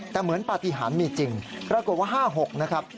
แต่เหมือนปฏิหารมีจริงปรากฏว่า๕๖นะครับ